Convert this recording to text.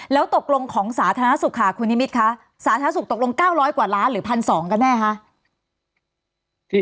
แล้วตกลงของสาธารณสุขค่ะคุณนิมิตรคะสาธารณสุขตกลง๙๐๐กว่าล้านหรือ๑๒๐๐กันแน่คะ